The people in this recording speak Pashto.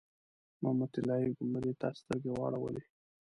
محمود طلایي ګنبدې ته سترګې واړولې.